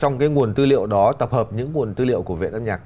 nguồn tư liệu đó tập hợp những nguồn tư liệu của viện âm nhạc